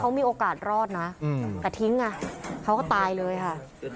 เขามีโอกาสรอดนะแต่ทิ้งไงเขาก็ตายเลยค่ะ